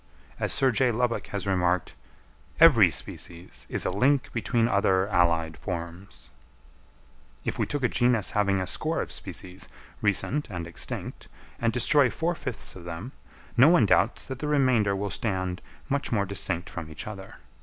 As Sir J. Lubbock has remarked, "Every species is a link between other allied forms." If we take a genus having a score of species, recent and extinct, and destroy four fifths of them, no one doubts that the remainder will stand much more distinct from each other.